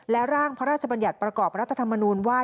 และร่างพระราชบัญญัติประกอบรัฐธรรมนูญว่า